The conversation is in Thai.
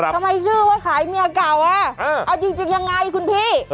ชื่อว่าขายเมียเก่าเอาจริงยังไงคุณพี่